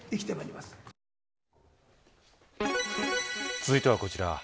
続いてはこちら